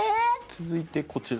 続いてこちら。